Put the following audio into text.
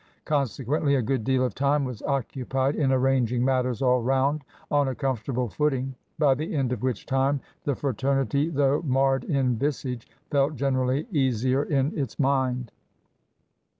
Consequently, a good deal of time was occupied in arranging matters all round on a comfortable footing; by the end of which time the fraternity, though marred in visage, felt generally easier in its mind.